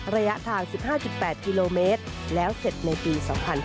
ระยะทาง๑๕๘กิโลเมตรแล้วเสร็จในปี๒๕๕๙